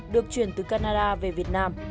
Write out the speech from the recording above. được chuyển từ canada về việt nam